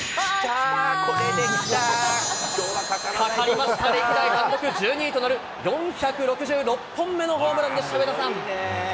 架かりました、単独１２位となる４６６本目のホームランでした、上田さん。